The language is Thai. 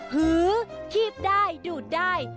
หือขีบได้ดูดได้